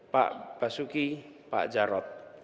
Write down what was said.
pak basuki pak jarot